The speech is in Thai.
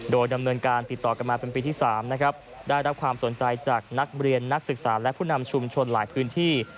โดยดำเนินการติดต่อกันมาเป็นปีที่๓นะครับได้รับความสนใจจากนักเรียนนักศึกษาและผู้นำชุมชนหลายพื้นที่